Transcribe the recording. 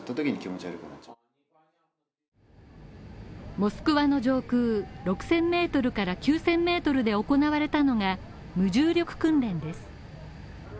モスクワの上空６０００ｍから９０００ｍで行われたのが、無重力訓練です。